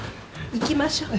行きましょう。